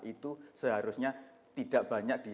itu seharusnya tidak banyak di